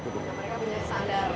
mereka punya standar